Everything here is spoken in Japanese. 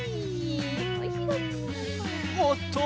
おおっと！